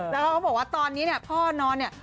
แล้วเค้าบอกว่าตอนนี้พ่อนอนเนี่ย